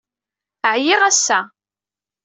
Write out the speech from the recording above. Ɛyiɣ, ass-a.